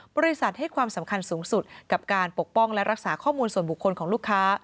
บริษัทให้ความสำคัญสูงสุดกับการปกป้องและรักษาข้อมูลส่วนบุคคลของลูกค้า